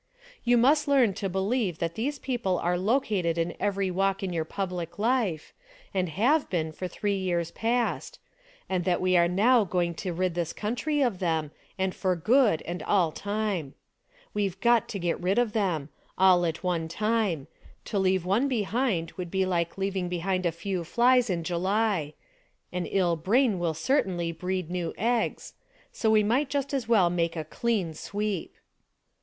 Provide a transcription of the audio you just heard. You must learn to beheve that these people are located in every walk in our public life, and have been for three years past — and that we are now going to rid this country of them, and for good and all time I We've got to get rid of them — all at one time ; to leave one would be like leaving behind a few flies in July — an ill brain will certainly breed new eggs — so we might just as well make a clean sweep